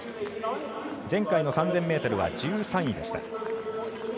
前回の３０００ｍは１３位でした。